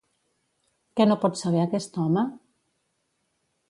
Què no pot saber aquest home?